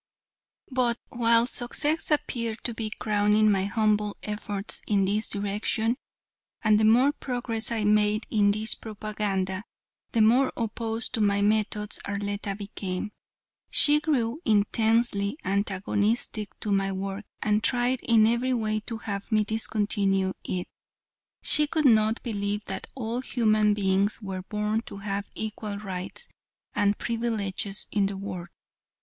But while success appeared to be crowning my humble efforts in this direction, and the more progress I made in this propaganda, the more opposed to my methods Arletta became. She grew intensely antagonistic to my work, and tried in every way to have me discontinue it. She could not believe that all human beings were born to have equal rights and privileges in the world.